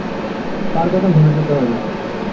তার কথা ভুলে যেতে হবে।